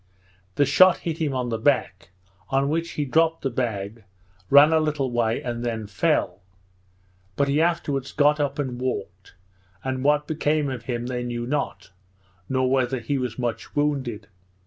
The shot hit him on the back, on which he dropped the bag, ran a little way, and then fell; but he afterwards got up and walked, and what became of him they knew not, nor whether he was much wounded.